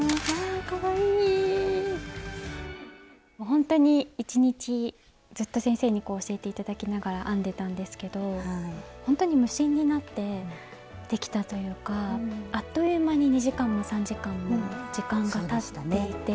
ほんとに１日ずっと先生にこう教えて頂きながら編んでたんですけどほんとに無心になってできたというかあっという間に２時間も３時間も時間がたっていて。